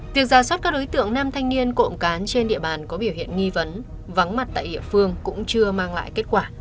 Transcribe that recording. việc ra soát các đối tượng nam thanh niên cộng cán trên địa bàn có biểu hiện nghi vấn vắng mặt tại địa phương cũng chưa mang lại kết quả